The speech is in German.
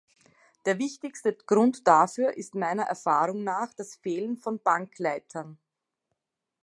Der wichtigste Grund dafür ist meiner Erfahrung nach das Fehlen von Bankleitern.